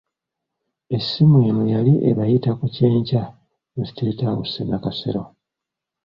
Essimu eno yali ebayita ku kyenkya mu State House e Nakasero.